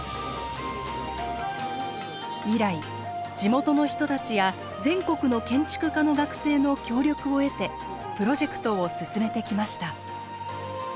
以来地元の人たちや全国の建築科の学生の協力を得てプロジェクトを進めてきました。